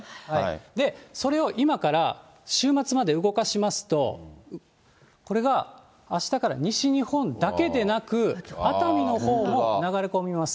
それを今から週末まで動かしますと、これがあしたから西日本だけでなく、熱海のほうも流れ込みます。